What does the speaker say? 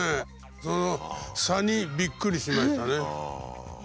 その差にびっくりしましたね。